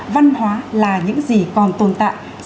văn hóa là những gì còn tồn tại